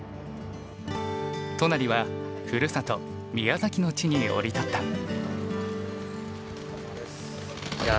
都成はふるさと宮崎の地に降り立った。